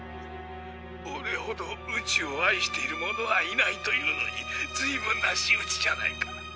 オレほど宇宙を愛している者はいないというのにずいぶんな仕打ちじゃないか。